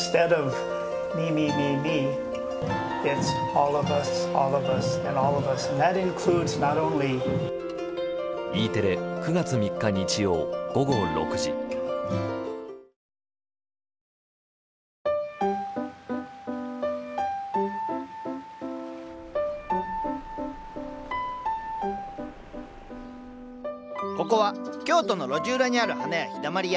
お楽しみにここは京都の路地裏にある花屋「陽だまり屋」。